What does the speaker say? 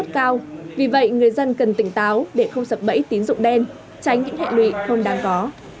lãi suất cao vì vậy người dân cần tỉnh táo để không sập bẫy tín dụng đen tránh những hẹn lụy không đáng có